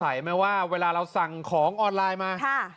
ไหมว่าเวลาเราสั่งของออนไลน์มา